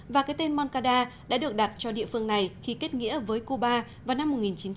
và cái tên moncada đã được đặt cho địa phương này khi kết nghĩa với cuba vào năm một nghìn chín trăm bảy mươi